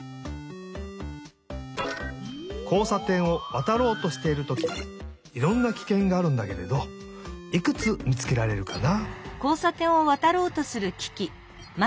こうさてんをわたろうとしているときいろんなきけんがあるんだけれどいくつみつけられるかな？